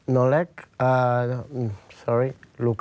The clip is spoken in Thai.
ในพิกัดในที่พร้อม